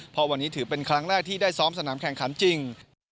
เพราะวันนี้ถือเป็นครั้งแรกที่ได้ซ้อมสนามแข่งขันจริง